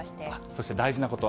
そして、大事なこと。